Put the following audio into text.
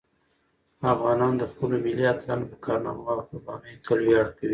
افغانان د خپلو ملي اتلانو په کارنامو او قربانیو تل ویاړ کوي.